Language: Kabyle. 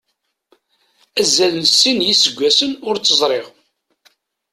Azal n sin yiseggasen ur tt-ẓriɣ.